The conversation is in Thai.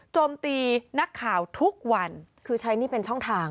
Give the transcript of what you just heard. โจมตีนักข่าวทุกวันคือใช้หนี้เป็นช่องทาง